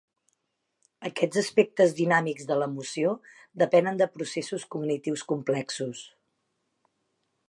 Aquests aspectes dinàmics de l'emoció depenen de processos cognitius complexos.